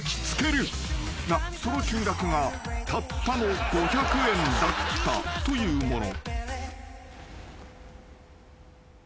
［がその金額がたったの５００円だったというもの］